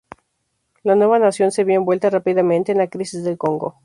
La nueva nación se vio envuelta rápidamente en la Crisis del Congo.